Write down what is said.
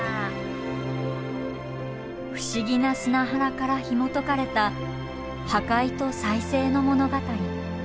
不思議な砂原からひもとかれた破壊と再生の物語。